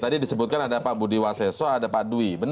tadi disebutkan ada pak budi waseso ada pak dwi